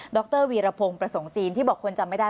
รวีรพงศ์ประสงค์จีนที่บอกคนจำไม่ได้